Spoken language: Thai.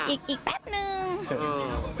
อีกแป๊บนึง